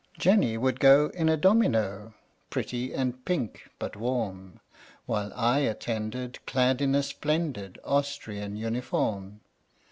Jenny would go in a domino Pretty and pink but warm; While I attended, clad in a splendid Austrian uniform.